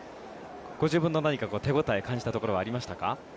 ご自分の手応え感じたところはありましたか。